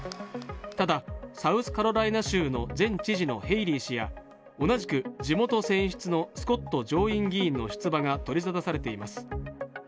ただサウスカロライナ州の前知事のヘイリー氏や同じく地元選出のスコット上院議員の出馬が取り沙汰されています。